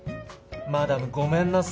マダムごめんなさい